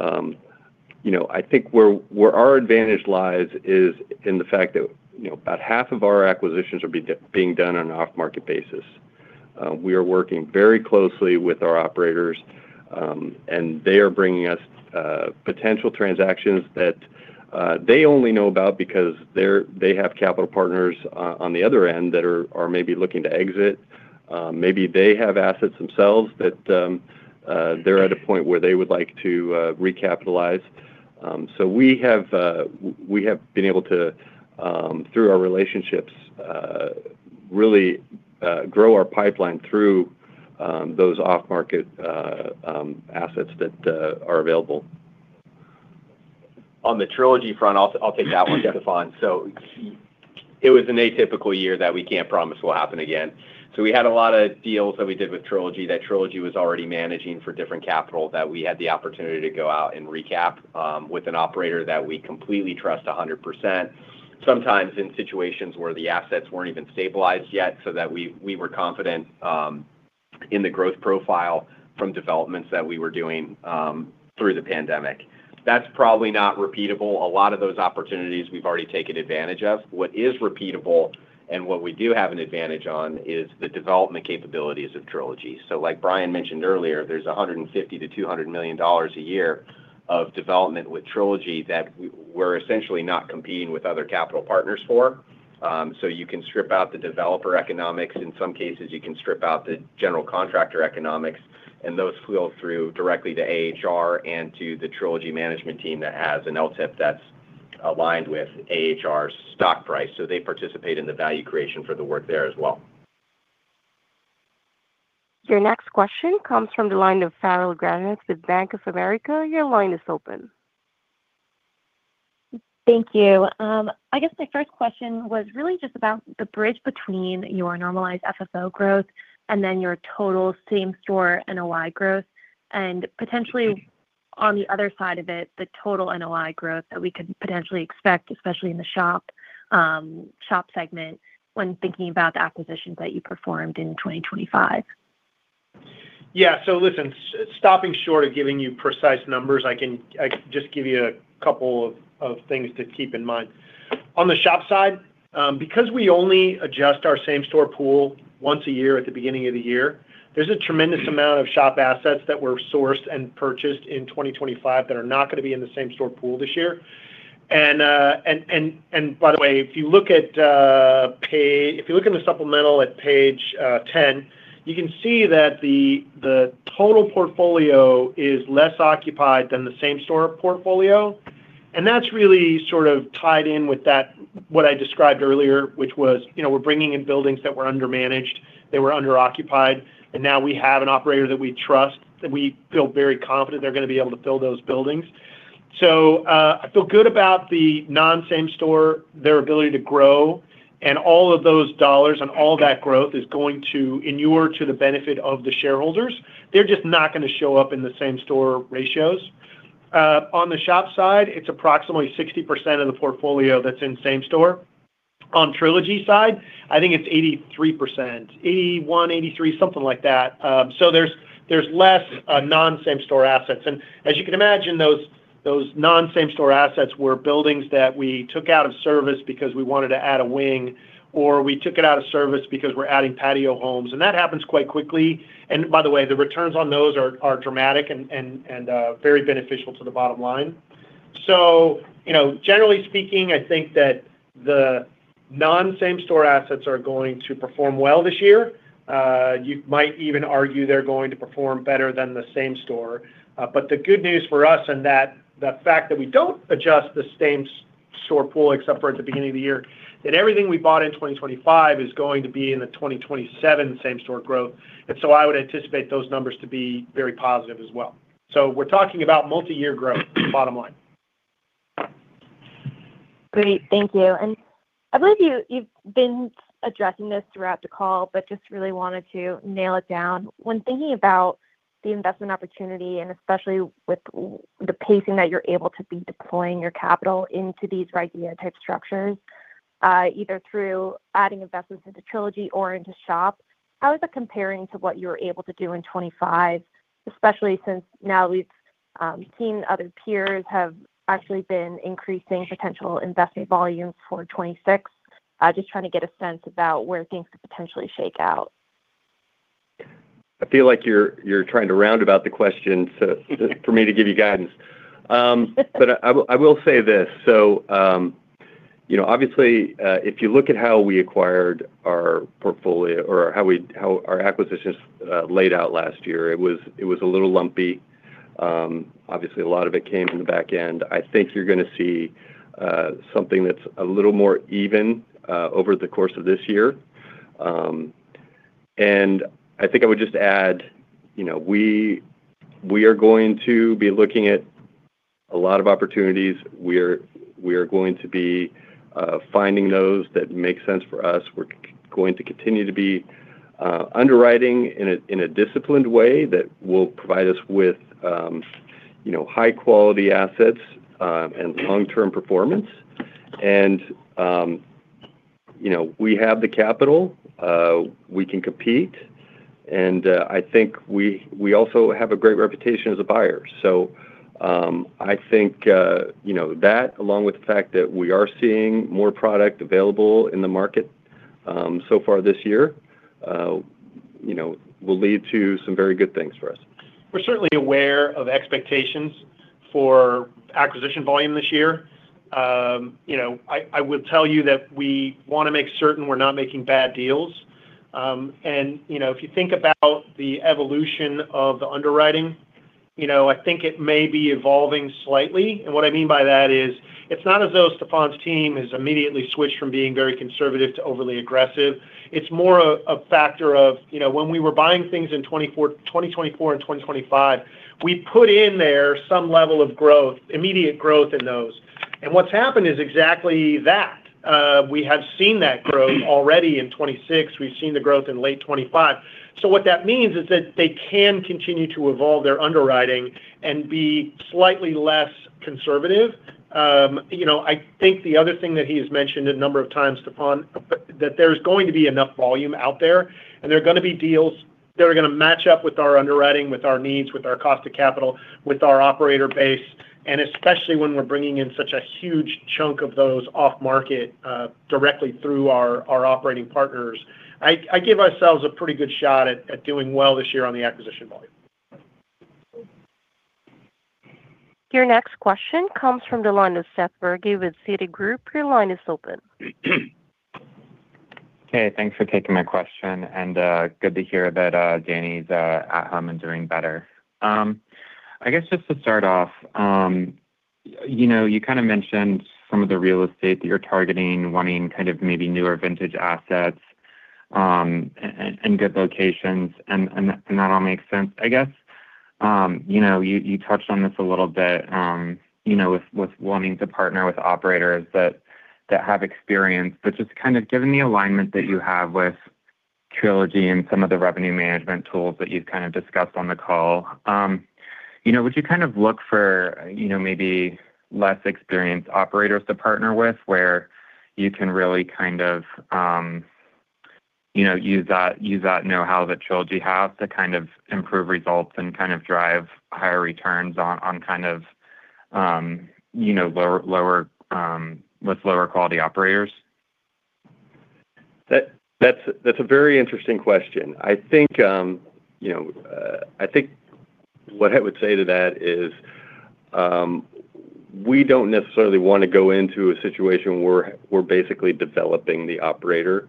You know, I think where our advantage lies is in the fact that, you know, about half of our acquisitions are being done on an off-market basis. We are working very closely with our operators, and they are bringing us potential transactions that they only know about because they have capital partners on the other end that are maybe looking to exit. Maybe they have assets themselves that they're at a point where they would like to recapitalize. We have been able to through our relationships really grow our pipeline through those off-market assets that are available. On the Trilogy front, I'll take that one, Stefan. It was an atypical year that we can't promise will happen again. We had a lot of deals that we did with Trilogy that Trilogy was already managing for different capital that we had the opportunity to go out and recap with an operator that we completely trust 100%, sometimes in situations where the assets weren't even stabilized yet, so that we were confident in the growth profile from developments that we were doing through the pandemic. That's probably not repeatable. A lot of those opportunities we've already taken advantage of. What is repeatable and what we do have an advantage on is the development capabilities of Trilogy. Like Brian mentioned earlier, there's $150 million to $200 million a year of development with Trilogy that we're essentially not competing with other capital partners for. So you can strip out the developer economics. In some cases, you can strip out the general contractor economics, and those flow through directly to AHR and to the Trilogy management team that has an LTIP that's aligned with AHR's stock price. So they participate in the value creation for the work there as well. Your next question comes from the line of Farrell Granath with Bank of America. Your line is open. Thank you. I guess my first question was really just about the bridge between your normalized FFO growth and then your total same-store NOI growth and potentially on the other side of it, the total NOI growth that we could potentially expect, especially in the SHOP segment when thinking about the acquisitions that you performed in 2025. Yeah. Listen, stopping short of giving you precise numbers, I can just give you a couple of things to keep in mind. On the SHOP side, because we only adjust our same-store pool once a year at the beginning of the year, there's a tremendous amount of SHOP assets that were sourced and purchased in 2025 that are not gonna be in the same-store pool this year. By the way, if you look in the supplemental at page 10, you can see that the total portfolio is less occupied than the same store portfolio. That's really sort of tied in with that, what I described earlier, which was, you know, we're bringing in buildings that were under managed, they were under occupied, and now we have an operator that we trust, that we feel very confident they're gonna be able to fill those buildings. I feel good about the non-same store, their ability to grow, and all of those dollars and all that growth is going to inure to the benefit of the shareholders. They're just not gonna show up in the same store ratios. On the SHOP side, it's approximately 60% of the portfolio that's in same store. On Trilogy side, I think it's 83%. 81, 83, something like that. There's less non-same store assets. As you can imagine, those non-same store assets were buildings that we took out of service because we wanted to add a wing, or we took it out of service because we're adding patio homes, and that happens quite quickly. By the way, the returns on those are dramatic and very beneficial to the bottom line. You know, generally speaking, I think that the non-same store assets are going to perform well this year. You might even argue they're going to perform better than the same store. The good news for us in that, the fact that we don't adjust the same store pool, except for at the beginning of the year, that everything we bought in 2025 is going to be in the 2027 same-store growth. I would anticipate those numbers to be very positive as well. We're talking about multiyear growth, bottom line. Great. Thank you. I believe you've been addressing this throughout the call, but just really wanted to nail it down. When thinking about the investment opportunity, and especially with the pacing that you're able to be deploying your capital into these right unit type structures, either through adding investments into Trilogy or into SHOP, how is it comparing to what you were able to do in 25? Since now we've seen other peers have actually been increasing potential investment volume for 26. Just trying to get a sense about where things could potentially shake out. I feel like you're trying to roundabout the question for me to give you guidance. I will say this. You know, obviously, if you look at how we acquired our portfolio or how our acquisitions laid out last year, it was a little lumpy. Obviously, a lot of it came from the back end. I think you're gonna see something that's a little more even over the course of this year. I think I would just add, you know, we are going to be looking at a lot of opportunities. We're going to be finding those that make sense for us. We're going to continue to be underwriting in a disciplined way that will provide us with, you know, high quality assets and long-term performance. You know, we have the capital, we can compete, and I think we also have a great reputation as a buyer. I think, you know, that along with the fact that we are seeing more product available in the market, so far this year, you know, will lead to some very good things for us. We're certainly aware of expectations for acquisition volume this year. You know, I would tell you that we wanna make certain we're not making bad deals. You know, if you think about the evolution of the underwriting, you know, I think it may be evolving slightly. What I mean by that is it's not as though Stefan's team has immediately switched from being very conservative to overly aggressive. It's more a factor of, you know, when we were buying things in 2024, 2024 and 2025, we put in there some level of growth, immediate growth in those. What's happened is exactly that. We have seen that growth already in 26. We've seen the growth in late 2025. What that means is that they can continue to evolve their underwriting and be slightly less conservative. You know, I think the other thing that he has mentioned a number of times, Stefan, that there's going to be enough volume out there, and there are gonna be deals that are gonna match up with our underwriting, with our needs, with our cost of capital, with our operator base, and especially when we're bringing in such a huge chunk of those off market, directly through our operating partners. I give ourselves a pretty good shot at doing well this year on the acquisition volume. Your next question comes from the line of Seth Bergey with Citigroup. Your line is open. Hey, thanks for taking my question, and good to hear that Danny's at home and doing better. I guess just to start off, you know, you kinda mentioned some of the real estate that you're targeting, wanting kind of maybe newer vintage assets, and good locations, and that all makes sense. I guess, you know, you touched on this a little bit, you know, with wanting to partner with operators that have experience. Just kind of given the alignment that you have with Trilogy and some of the revenue management tools that you've kind of discussed on the call, you know, would you kind of look for, you know, maybe less experienced operators to partner with where you can really kind of, you know, use that, use that know-how that Trilogy has to kind of improve results and kind of drive higher returns on kind of, you know, lower with lower quality operators? That's a very interesting question. I think, you know, I think what I would say to that is, we don't necessarily wanna go into a situation where we're basically developing the operator.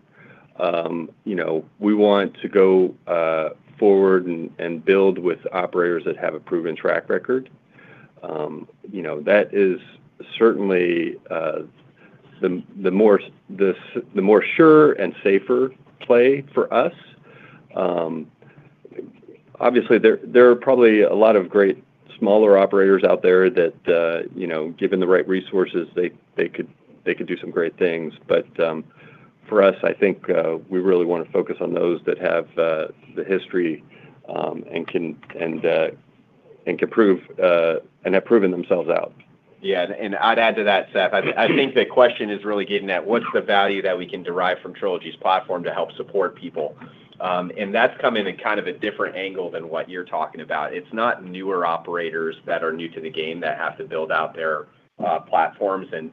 You know, we want to go forward and build with operators that have a proven track record. You know, that is certainly the more sure and safer play for us. Obviously, there are probably a lot of great smaller operators out there that, you know, given the right resources, they could do some great things. For us, I think, we really wanna focus on those that have the history, and can prove and have proven themselves out. Yeah. I'd add to that, Seth. I think the question is really getting at what's the value that we can derive from Trilogy's platform to help support people. That's coming in kind of a different angle than what you're talking about. It's not newer operators that are new to the game that have to build out their platforms and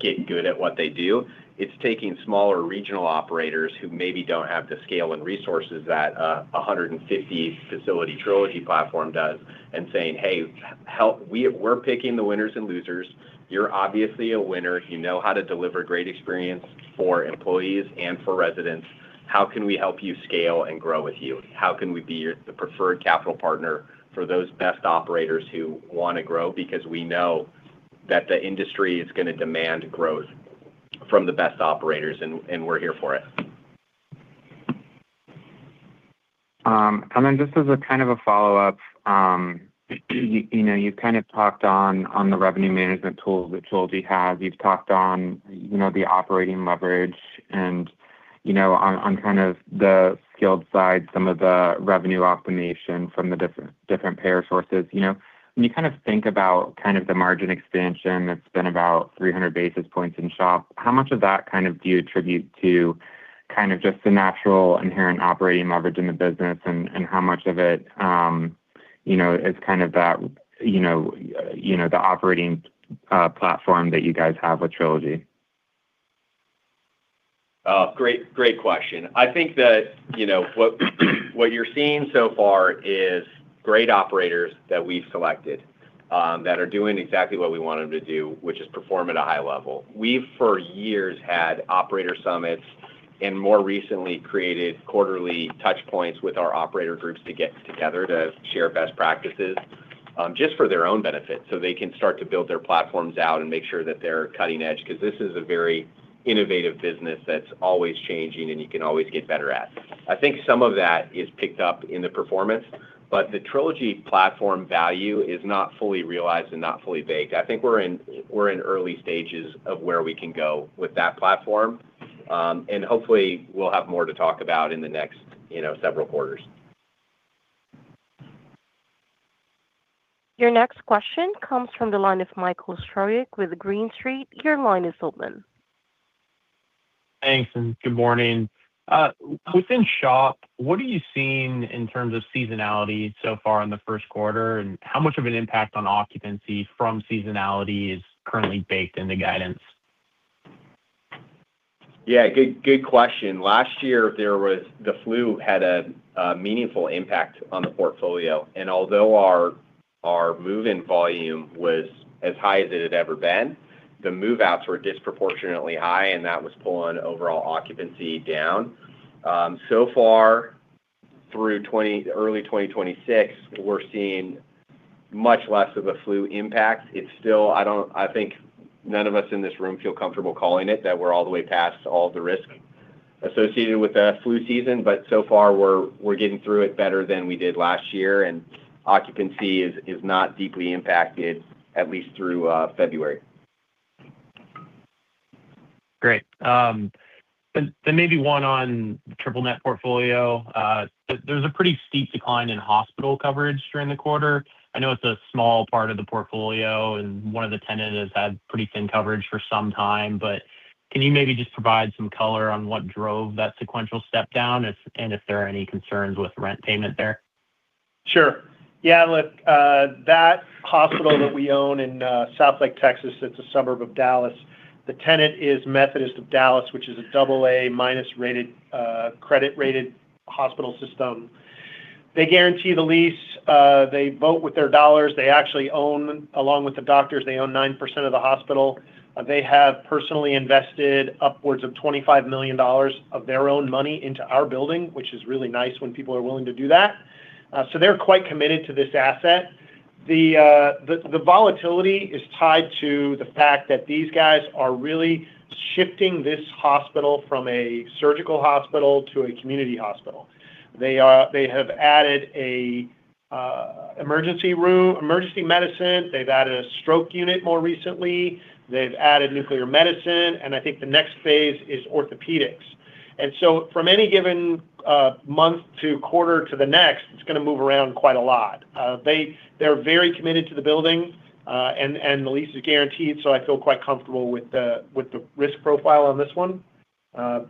get good at what they do. It's taking smaller regional operators who maybe don't have the scale and resources that a 150 facility Trilogy platform does and saying, "Hey, help. We're picking the winners and losers. You're obviously a winner. You know how to deliver great experience for employees and for residents. How can we help you scale and grow with you? How can we be the preferred capital partner for those best operators who wanna grow? We know that the industry is going to demand growth from the best operators, and we're here for it. Then just as a kind of a follow-up, you know, you've kind of talked on the revenue management tools that Trilogy has. You've talked on, you know, the operating leverage and, you know, on kind of the skilled side, some of the revenue optimization from the different payer sources. You know, when you kind about kind of the margin expansion that's been about 300 basis points in SHOP, how much of that kind of do you attribute to kind of just the natural inherent operating leverage in the business, and how much of it, you know, is kind of that, you know, the operating platform that you guys have with Trilogy? Great, great question. I think that, you know, what you're seeing so far is great operators that we've selected, that are doing exactly what we want them to do, which is perform at a high level. We've for years had operator summits, more recently created quarterly touch points with our operator groups to get together to share best practices, just for their own benefit so they can start to build their platforms out and make sure that they're cutting edge because this is a very innovative business that's always changing and you can always get better at. I think some of that is picked up in the performance, the Trilogy platform value is not fully realized and not fully baked. I think we're in early stages of where we can go with that platform. Hopefully we'll have more to talk about in the next, you know, several quarters. Your next question comes from the line of Michael Stroyeck with Green Street. Your line is open. Thanks. Good morning. Within SHOP, what are you seeing in terms of seasonality so far in the first quarter, and how much of an impact on occupancy from seasonality is currently baked in the guidance? Yeah, good question. Last year, the flu had a meaningful impact on the portfolio. Although our move-in volume was as high as it had ever been, the move-outs were disproportionately high, and that was pulling overall occupancy down. So far through early 2026, we're seeing much less of a flu impact. It's still, I think none of us in this room feel comfortable calling it that we're all the way past all of the risk associated with the flu season. So far we're getting through it better than we did last year, and occupancy is not deeply impacted, at least through February. Great. Maybe one on triple net portfolio. There's a pretty steep decline in hospital coverage during the quarter. I know it's a small part of the portfolio and one of the tenants has had pretty thin coverage for some time, but can you maybe just provide some color on what drove that sequential step down, and if there are any concerns with rent payment there? Sure. That hospital that we own in Southlake, Texas, it's a suburb of Dallas, the tenant is Methodist of Dallas, which is a double A minus rated credit rated hospital system. They guarantee the lease. They vote with their dollars. They actually own, along with the doctors, they own 9% of the hospital. They have personally invested upwards of $25 million of their own money into our building, which is really nice when people are willing to do that. They're quite committed to this asset. The volatility is tied to the fact that these guys are really shifting this hospital from a surgical hospital to a community hospital. They have added a emergency room, emergency medicine. They've added a stroke unit more recently. They've added nuclear medicine, and I think the next phase is orthopedics. From any given month to quarter to the next, it's gonna move around quite a lot. They're very committed to the building, and the lease is guaranteed, so I feel quite comfortable with the risk profile on this one.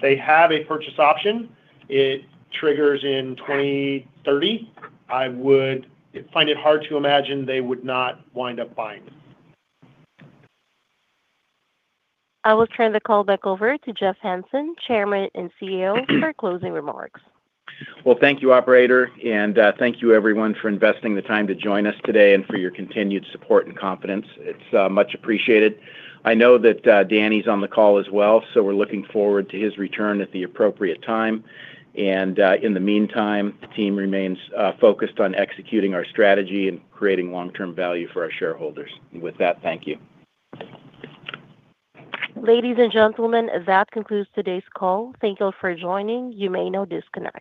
They have a purchase option. It triggers in 2030. I would find it hard to imagine they would not wind up buying. I will turn the call back over to Jeffrey Hanson, Chairman and CEO, for closing remarks. Well, thank you, operator, and thank you everyone for investing the time to join us today and for your continued support and confidence. It's much appreciated. I know that Danny's on the call as well, so we're looking forward to his return at the appropriate time. In the meantime, the team remains focused on executing our strategy and creating long-term value for our shareholders. With that, thank you. Ladies and gentlemen, that concludes today's call. Thank you for joining. You may now disconnect.